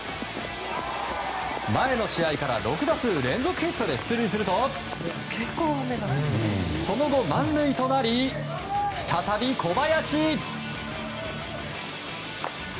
前の試合から６打数連続ヒットで出塁するとその後、満塁となり再び小林。